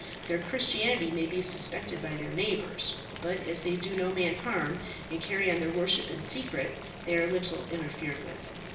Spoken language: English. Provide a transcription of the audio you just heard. Their Christianity may be suspected by their neighbours, but as they do no man harm, and carry on their worship in secret, they are little interfered with.